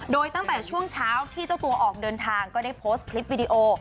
โดยตั้งแต่ช่วงเช้าที่เจ้าตัวออกเดินทางก็ได้โพสต์คลิปวิดีโอ